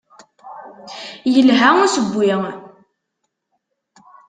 Yelha usewwi.